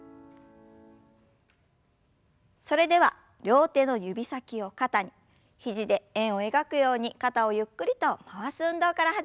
それでは両手の指先を肩に肘で円を描くように肩をゆっくりと回す運動から始めましょう。